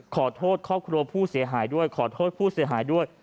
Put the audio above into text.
ขอโทษครอบครัวผู้เสียหายด้วยขอโทษผู้เสียหายด้วย